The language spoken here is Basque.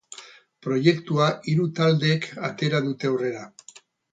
Proiektua hiru taldek atera dute aurrera.